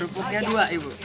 rupuknya dua ibu